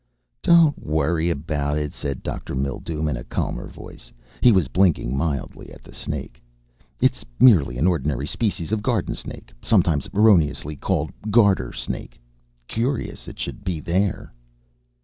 "Don't worry about it," said Dr. Mildume in a calmer voice. He was blinking mildly at the snake. "It's merely an ordinary species of garden snake, sometimes erroneously called garter snake. Curious it should be there."